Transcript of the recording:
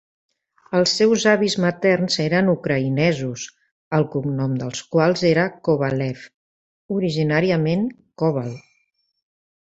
Els seus avis materns eren ucraïnesos, el cognom del qual era Kovalev, originàriament Koval.